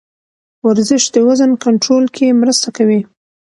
ورزش د وزن کنټرول کې مرسته کوي.